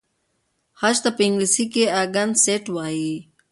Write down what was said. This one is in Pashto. خج ته په انګلیسۍ کې اکسنټ وایي.